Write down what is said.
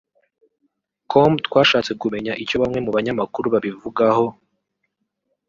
com twashatse kumenya icyo bamwe mu banyamakuru babivugaho